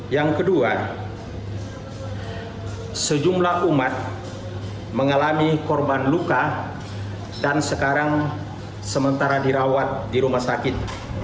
yang kedua sejumlah umat mengalami korban luka dan sekarang sementara dirawat di rumah sakit